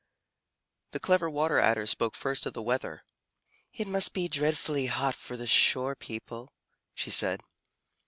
The Clever Water Adder spoke first of the weather. "It must be dreadfully hot for the shore people," she said.